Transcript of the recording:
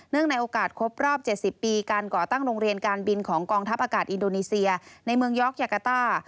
ในโอกาสครบรอบ๗๐ปีการก่อตั้งโรงเรียนการบินของกองทัพอากาศอินโดนีเซียในเมืองยอกยากาต้า